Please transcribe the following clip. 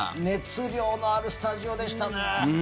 熱量のあるスタジオでしたね。